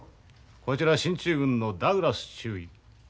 こちら進駐軍のダグラス中尉。